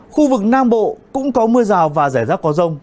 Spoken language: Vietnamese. khu vực nam bộ cũng có mưa rào và rải rác có rông